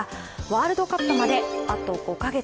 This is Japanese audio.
ワールドカップまであと５カ月。